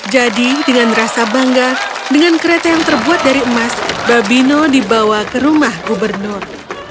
jadi dengan rasa bangga dengan kereta yang terbuat dari emas babino dibawa ke rumah gubernur